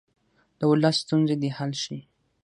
د ولس ستونزې دې حل شي.